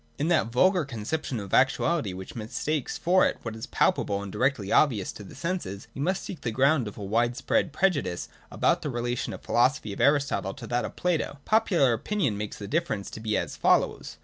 In that vulgar conception of actuality which mistakes for it what is palpable and directly obvious to the senses, we must seek the ground of a wide spread prejudice about the relation of the philosophy of Aristotle to that of Plato. Popular opinion makes the difference to be as follows.